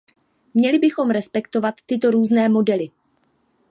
Měli bychom respektovat tyto různé modely.